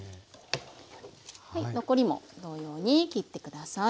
残りも同様に切って下さい。